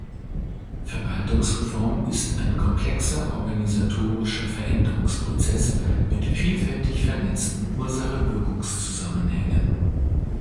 Verwaltungsreform ist ein komplexer organisatorischer Veränderungsprozess mit vielfältig vernetzten Ursache-Wirkungszusammenhängen.